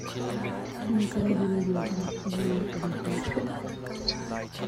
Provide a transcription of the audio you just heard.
Ti kan dil lio ah rul kan hmuh.